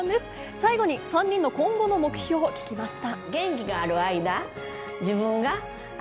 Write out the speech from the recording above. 最後に３人の今後の目標を聞きました。